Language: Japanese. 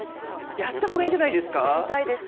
やったほうがいいんじゃないですか？